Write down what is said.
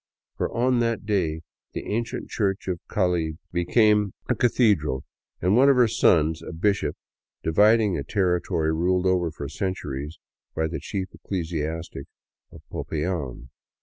For on that day the ancient church of Cali became a cathedral, and one of her '' sons " a bishop ; dividing a territory ruled over for centuries by the chief ecclesiastic of Popa yan.